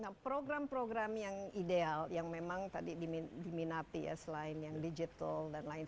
nah program program yang ideal yang memang tadi diminati ya selain yang digital dan lain